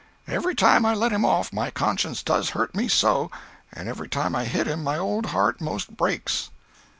Every time I let him off, my conscience does hurt me so, and every time I hit him my old heart most breaks.